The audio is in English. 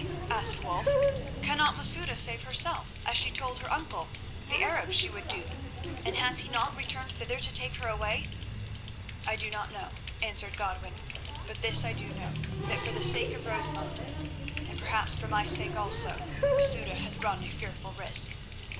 asked Wulf. "Cannot Masouda save herself, as she told her uncle, the Arab, she would do? And has he not returned thither to take her away?" "I do not know," answered Godwin; "but this I do know, that for the sake of Rosamund, and perhaps for my sake also, Masouda has run a fearful risk.